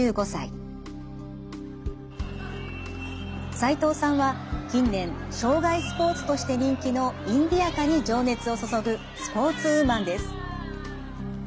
齋藤さんは近年生涯スポーツとして人気のインディアカに情熱を注ぐスポーツウーマンです。